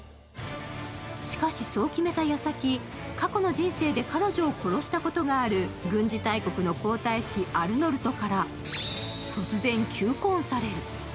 しかし、そう決めた矢先、過去の人生で彼女を殺したことのある軍事大国の皇太子・アルノルトから、突然求婚される。